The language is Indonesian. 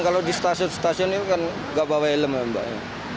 kalau di stasiun stasiun ini kan nggak bawa helm ya mbak